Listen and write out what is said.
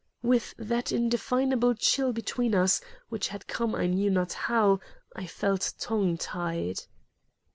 With that indefinable chill between us, which had come I knew not how, I felt tongue tied.